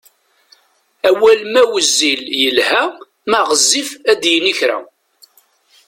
Awal ma wezzil yelha ma ɣezzif ad yini kra!